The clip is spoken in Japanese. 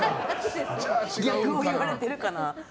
逆を言われてるかな。